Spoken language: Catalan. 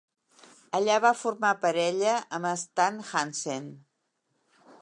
Allà va formar parella amb Stan Hansen.